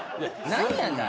何やねん！？